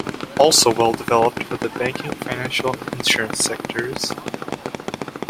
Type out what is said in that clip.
Also well-developed are the banking, financial and insurance sectors.